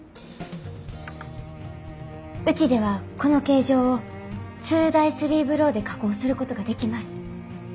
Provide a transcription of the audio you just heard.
うちではこの形状を２ダイ３ブローで加工することができます。